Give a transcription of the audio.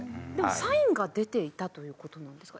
サインが出ていたという事なんですか？